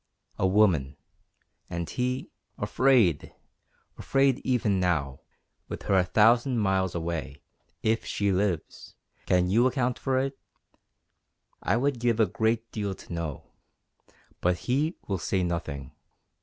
A woman! And he afraid! Afraid, even now, with her a thousand miles away, if she lives. Can you account for it? I would give a great deal to know. But he will say nothing.